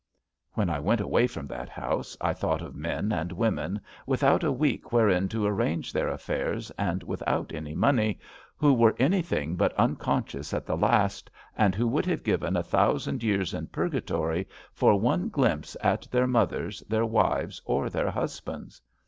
" When I went away from that house I thought of men and women without a week wherein to arrange their affairs, and without any money, who were anything but unconscious at the last, and who would have ^ven a thousand years in Purgatory for one glimpse at their mothers, their wives or their husbands.